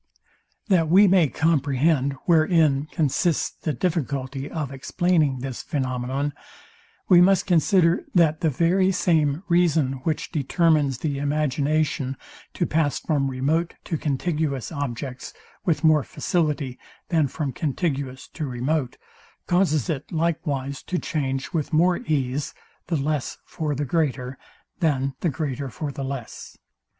That we may comprehend, wherein consists the difficulty of explaining this phænomenon, we must consider, that the very same reason, which determines the imagination to pass from remote to contiguous objects, with more facility than from contiguous to remote, causes it likewise to change with more ease, the less for the greater, than the greater for the less.